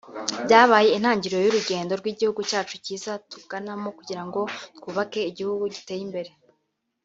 byabaye intangiriro y’urugendo rw’igihugu cyacu cyiza tuganamo kugira ngo twubake igihugu giteye imbere